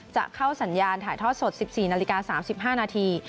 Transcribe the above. จะเข้าสัญญาณถ่ายทอดสด๑๔นาฬิกา๓๕นาที